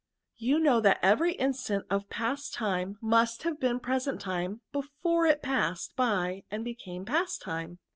'* You know that every instant of the past time must have been present time, before it passed by and became past time